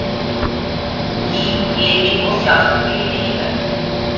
گی لیکن وہ سیاست کے لئے نہیں بنے۔